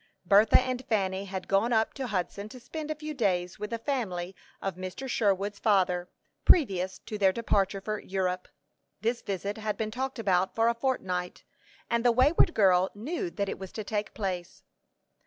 Bertha and Fanny had gone up to Hudson to spend a few days with the family of Mr. Sherwood's father, previous to their departure for Europe. This visit had been talked about for a fortnight, and the wayward girl knew that it was to take place.